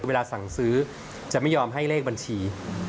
เวลาสั่งซื้อจะไม่ยอมให้เลขบัญชี